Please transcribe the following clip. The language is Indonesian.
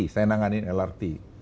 saya menangani lrt